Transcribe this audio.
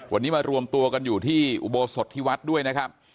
วันนี้มารวมตัวกันอยู่ที่อุโบสถที่วัดด้วยนะครับ